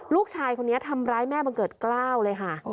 ลูกชายคนนี้ทำร้ายแม่บังเกิดกล้าวเลยค่ะ